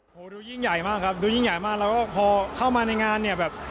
โอ้โหดูยิ่งใหญ่มากครับดูยิ่งใหญ่มากแล้วก็พอเข้ามาในงานเนี่ยแบบ